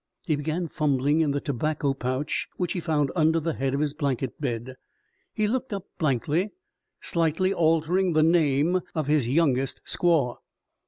He begun fumbling in the tobacco pouch which he found under the head of his blanket bed. He looked up blankly, slightly altering the name of his youngest squaw.